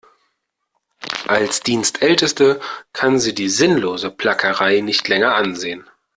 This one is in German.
Als Dienstälteste kann sie die sinnlose Plackerei nicht länger ansehen.